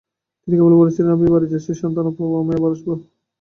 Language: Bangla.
তিনি কেবল বলেছিলেন, "আমি বাড়ি যাচ্ছি, সান্ত্বনা পাও, আমি আবার আসব।